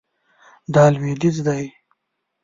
دا لویدیځ دی